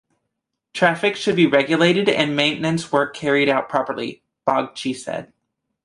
Traffic should be regulated and maintenance work carried out properly, Bagchi said.